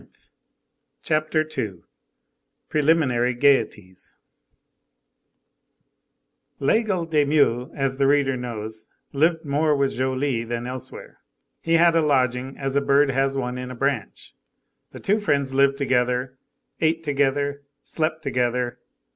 50 CHAPTER II—PRELIMINARY GAYETIES Laigle de Meaux, as the reader knows, lived more with Joly than elsewhere. He had a lodging, as a bird has one on a branch. The two friends lived together, ate together, slept together.